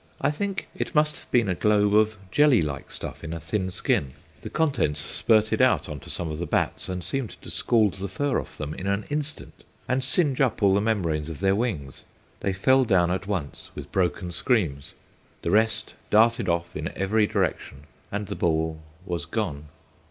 I think it must have been a globe of jelly like stuff in a thin skin. The contents spurted out on to some of the bats, and seemed to scald the fur off them in an instant and singe up all the membranes of their wings. They fell down at once, with broken screams. The rest darted off in every direction, and the ball was gone.